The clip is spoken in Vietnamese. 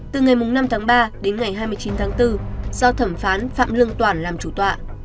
từ ngày năm tháng ba đến ngày hai mươi chín tháng bốn do thẩm phán phạm lương toản làm chủ tọa